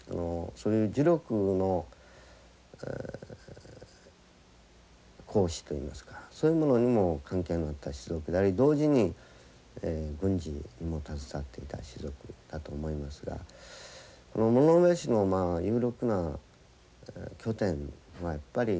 そういう呪力の行使といいますかそういうものにも関係のあった氏族であり同時に軍事にも携わっていた氏族だと思いますが物部氏の有力な拠点はやっぱり古代の河内ですね。